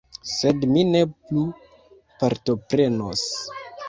Sed mi ne plu partoprenos.